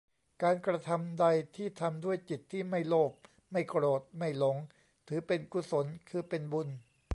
การกระทำใดที่ทำด้วยจิตที่ไม่โลภ ไม่โกรธ ไม่หลง ถือเป็นกุศล คือเป็นบุญ